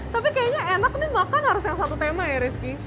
tapi kayaknya enak nih makan harus yang satu tema ya rizky